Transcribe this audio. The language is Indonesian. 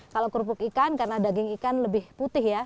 kalau kerupuk ikan karena daging ikan lebih putih ya